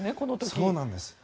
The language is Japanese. そうなんです。